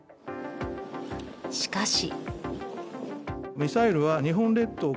しかし。